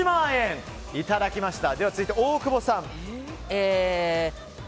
いただきました、大久保さん。